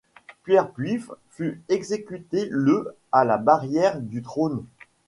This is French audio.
Pierre Puiffe fut exécuté le à la Barrière du trône.